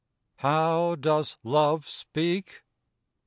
How does Love speak?